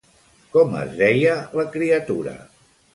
Com es deia la criatura?